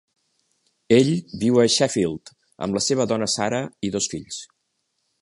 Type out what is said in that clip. Ell viu a Sheffield amb la seva dona Sarah i dos fills.